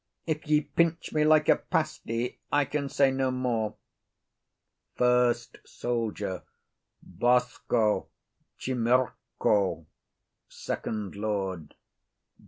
If ye pinch me like a pasty I can say no more. FIRST SOLDIER. Bosko chimurcho. FIRST LORD.